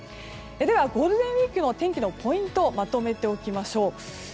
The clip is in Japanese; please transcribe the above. では、ゴールデンウィークの天気ポイントをまとめましょう。